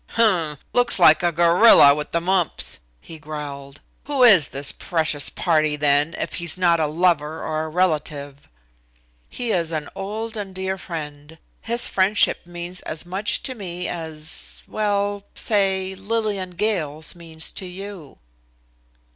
"Humph! Looks like a gorilla with the mumps," he growled. "Who is this precious party, then, if he is not a lover or a relative?" "He is an old and dear friend. His friendship means as much to me as well say Lillian Gale's means to you."